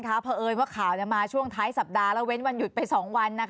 เพราะเอิญว่าข่าวมาช่วงท้ายสัปดาห์แล้วเว้นวันหยุดไป๒วัน